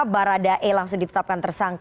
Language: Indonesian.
barada e langsung ditetapkan